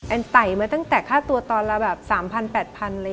แอลล์ไต่มาตั้งแต่ฆ่าตัวตอนละ๓๐๐๐๘๐๐๐บาท